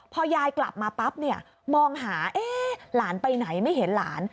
พอยายกลับมาปั๊บเนี่ยมองหาหลานไปไหนไม่เห็นหลาน